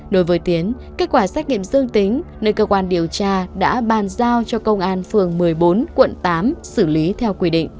đối với tiến kết quả xét nghiệm dương tính nên cơ quan điều tra đã bàn giao cho công an phường một mươi bốn quận tám xử lý theo quy định